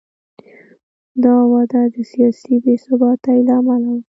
دا وده د سیاسي بې ثباتۍ له امله و.